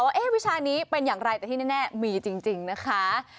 ว่าวิชานี้เป็นอย่างไรแต่ที่แน่มีจริงนะคะ